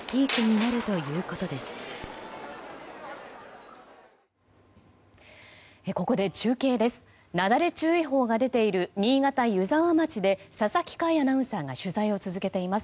なだれ注意報が出ている新潟・湯沢町で佐々木快アナウンサーが取材を続けています。